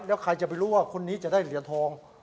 แล้วใครจะไปรู้ว่าคนนี้จะได้เหรียญทอง